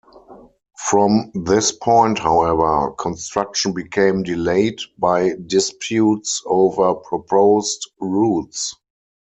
From this point, however, construction became delayed by disputes over proposed routes.